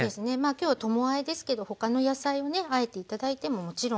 今日ともあえですけど他の野菜をねあえて頂いてももちろんいいです。